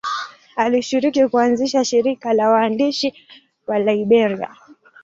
Alishiriki kuanzisha shirika la waandishi wa Liberia.